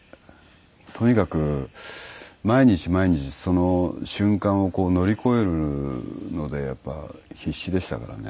とにかく毎日毎日その瞬間を乗り越えるのでやっぱ必死でしたからね。